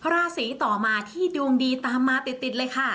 ราศีต่อมาที่ดวงดีตามมาติดเลยค่ะ